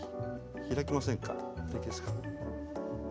開きませんか？